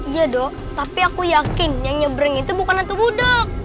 iyadok tapi aku yakin yang nyebreng itu bukan nantabudok